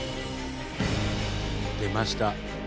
出ました。